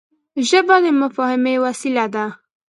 ژبه د مفاهمې وسیله ده